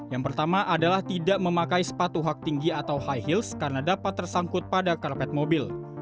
yang pertama adalah tidak memakai sepatu hak tinggi atau high heels karena dapat tersangkut pada karpet mobil